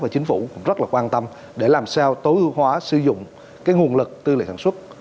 chính phủ cũng rất quan tâm để làm sao tối ưu hóa sử dụng nguồn lực tư lệ sản xuất